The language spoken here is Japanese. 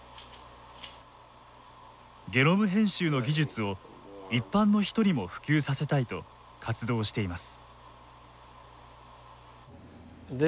ゲノム編集の技術を一般の人にも普及させたいと活動をしています。